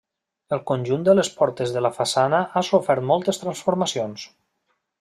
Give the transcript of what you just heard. El conjunt de les portes de la façana ha sofert moltes transformacions.